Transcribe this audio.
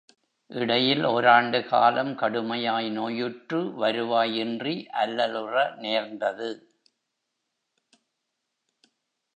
இடையில் ஒராண்டு காலம் கடுமையாய் நோயுற்று வருவாய் இன்றி அல்லலுற நேர்ந்தது.